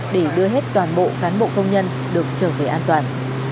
để đưa hết toàn bộ cán bộ công nhân được trở về an toàn